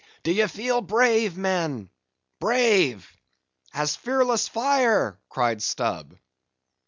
D'ye feel brave men, brave?" "As fearless fire," cried Stubb.